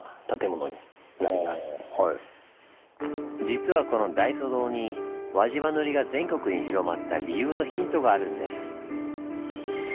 実はこの大祖堂に輪島塗が全国に広まった理由のヒントがあるんです。